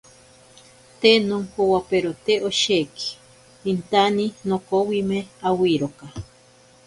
Te nonkowaperote osheki, intane nokovwime awiroka.